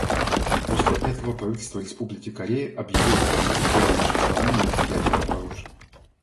После этого правительство Республики Корея объявило, что на территории нашей страны нет ядерного оружия.